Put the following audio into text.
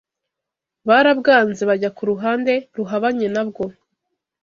barabwanze bajya ku ruhande ruhabanye nabwo